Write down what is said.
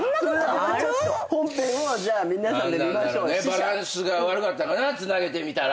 バランスが悪かったかなつなげてみたら。